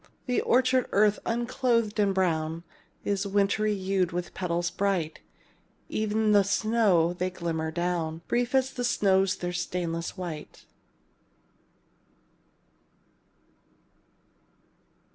The orchard earth, unclothed and brown, Is wintry hued with petals bright; E'en as the snow they glimmer down; Brief as the snow's their stainless white.